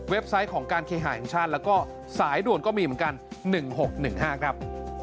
ไซต์ของการเคหาแห่งชาติแล้วก็สายด่วนก็มีเหมือนกัน๑๖๑๕ครับ